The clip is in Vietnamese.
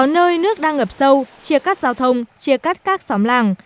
nhiều nhà ngập sâu chia cắt giao thông chia cắt các xóm làng